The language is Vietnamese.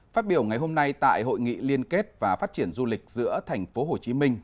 phát biểu ngày hôm nay tại hội nghị liên kết và phát triển du lịch giữa thành phố hồ chí minh